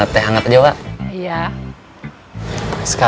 teh hangat aja wa